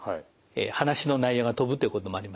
話の内容が飛ぶということもあります。